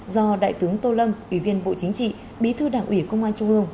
do đại tướng tô lâm ủy viên bộ chính trị bí thư đảng ủy công an trung ương